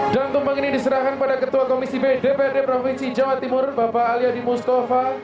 dan tumpang ini diserahkan pada ketua komisi b dprd provinsi jawa timur bapak ali adi mustafa